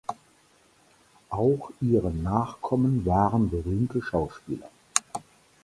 Auch ihre Nachkommen waren berühmte Schauspieler.